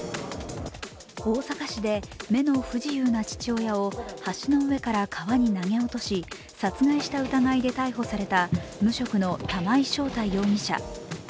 大阪市で目の不自由な父親を橋の上から川に投げ落とし、殺害した疑いで逮捕された無職の玉井将太容疑者。